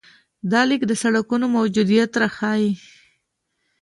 دا لیک د سړکونو موجودیت راښيي.